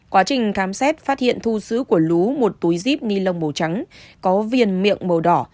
quá trình khám xét phát hiện thu xứ của lú một túi zip ni lông màu trắng có viền miệng màu đỏ